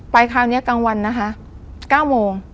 ไปคราวนี้กลางวัน๙โมง